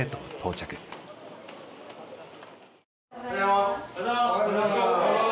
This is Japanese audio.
おはようございます。